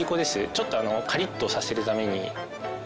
ちょっとカリッとさせるために。